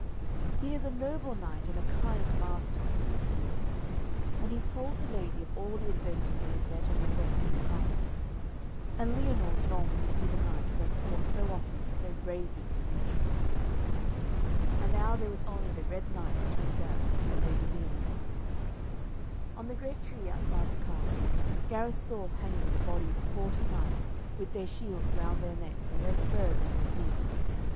'He is a noble knight and a kind master,' said the dwarf; and he told the lady of all the adventures they had met on their way to her castle. And Lyonors longed to see the knight who had fought so often and so bravely to reach her. And now there was only the Red Knight between Gareth and the Lady Lyonors. On the great tree, outside the castle, Gareth saw hanging the bodies of forty knights, with their shields round their necks and their spurs on their heels.